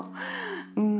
うん。